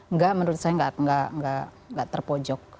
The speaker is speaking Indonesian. enggak menurut saya nggak terpojok